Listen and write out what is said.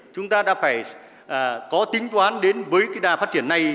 chúng ta đã phải có tính toán đến với cái đà phát triển này